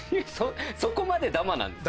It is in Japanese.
そこまでダマなんですね。